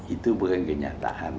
itu bukan kenyataan